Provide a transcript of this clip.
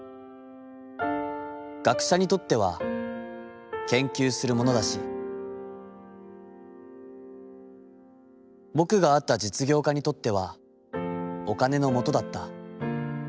学者にとっては、研究するものだし、ぼくが会った実業家にとってはお金のものとだった。